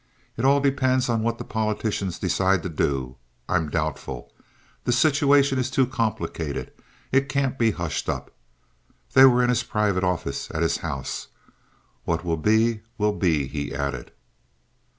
"It all depends on what the politicians decide to do. I'm doubtful. The situation is too complicated. It can't be hushed up." They were in his private office at his house. "What will be will be," he added.